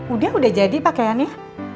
udah udah jadi pakaiannya